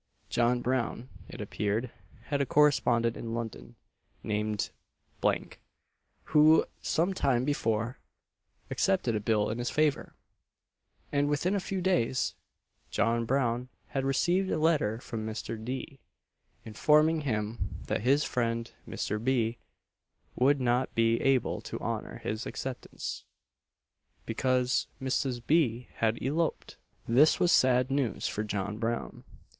John Brown, it appeared, had a correspondent in London, named B , who some time before accepted a bill in his favour, and within a few days, John Brown had received a letter from a Mr. D., informing him that his friend Mr. B. would not be able to honour his acceptance, because Mrs. B. had eloped! This was sad news for John Brown.